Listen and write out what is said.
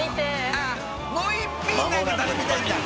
あぁもう１品何か頼みたいんだ。